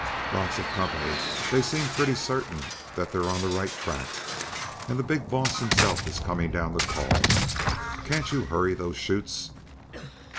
"Lots of company; they seem pretty certain that they're on the right track. And the big boss himself is coming down to call. Can't you hurry those 'chutes?"